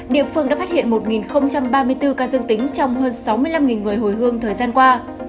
địa phương đã phát hiện một ba mươi bốn ca dương tính trong hơn sáu mươi năm người hồi hương thời gian qua